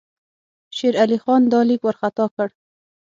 شېر علي خان دا لیک وارخطا کړ.